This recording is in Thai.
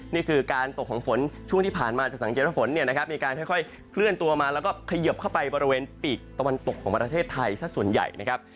นี่คือการตกของฝนช่วงที่ผ่านมาจะสังเกตว่าฝนเนี่ยนะครับมีการค่อยเคลื่อนตัวมาแล้วก็เขยิบเข้าไปบริเวณปีกตะวันตกของประเทศไทยสักส่วนใหญ่นะครับ